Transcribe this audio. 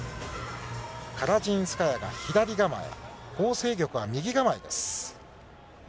カラジンスカヤが左構え、ホウ倩玉は右構えです。